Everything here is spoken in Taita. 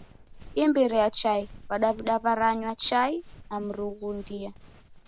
Imbiri ya chai, W'adaw'ida w'aranywa chai cha mrughundia.